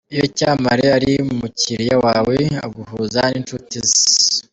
Iyo icyamamare ari umukiriya wawe, aguhuza n’inshuti ze.